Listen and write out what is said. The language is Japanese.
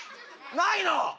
ないの！？